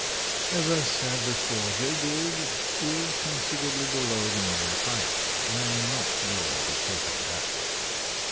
As I said before, Jay Gould is considerably below the medium height, and I am not going to take it back.